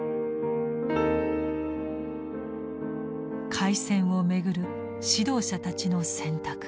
開戦を巡る指導者たちの選択。